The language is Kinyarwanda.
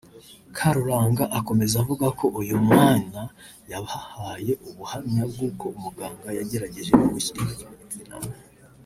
Karuranga akomeza avuga ko uyu mwana yabahaye ubuhamya bw’uko umuganga yagerageje kumushyira intoki mu gitsina